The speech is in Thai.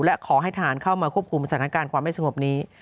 และขอให้ทหารเข้ามาควบคุมสถานการณ์ความไม่สงบนี้